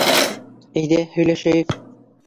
Әйҙә, һөйләшәйек...